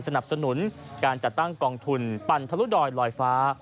สนับสนุนการจัดตั้งกองทุนปั่นทะลุดอยลอยฟ้า